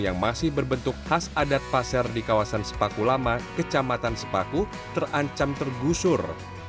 yang masih berbentuk khas adat pasar di kawasan sepaku lama kecamatan sepaku terancam tergusur